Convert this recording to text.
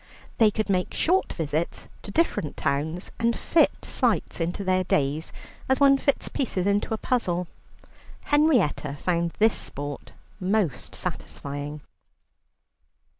They could make short visits to different towns, and fit sights into their days, as one fits pieces into a puzzle. Henrietta found this sport most satisfying.